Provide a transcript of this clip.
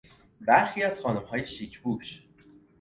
برخی از خانمهای شیک پوش